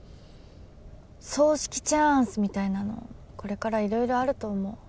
葬式チャンスみたいなのこれからいろいろあると思う。